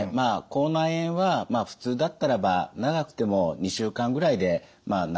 口内炎はふつうだったらば長くても２週間ぐらいで治ると思います。